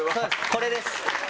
これです！